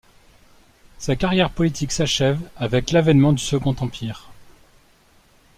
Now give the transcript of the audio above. Sa carrière politique s’achève avec l’avènement du Second Empire.